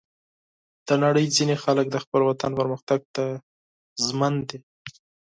د نړۍ ځینې خلک د خپل وطن پرمختګ ته ژمن دي.